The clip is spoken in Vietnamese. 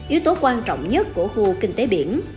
yếu tố quan trọng nhất của khu kinh tế biển